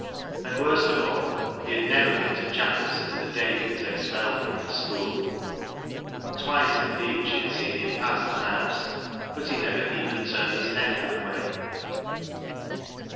And worst of all, he had never been to chapel since the day he was expelled from the school. Twice indeed she had seen him pass the house, but he never even turned his head that way.